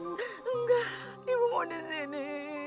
enggak ibu mau disini